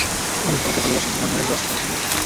আমি তোমাকে ভালোবাসি, ইম্মানুয়েল রাজকুমার জুনিয়র!